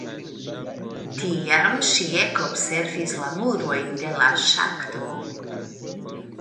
Tiam ŝi ekobservis la murojn de la ŝakto.